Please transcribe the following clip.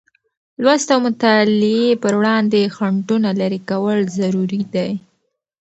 لوست او مطالعې پر وړاندې خنډونه لېرې کول ضروري دی.